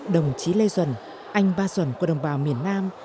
đồng chí lê duần anh ba duần của đồng bào miền nam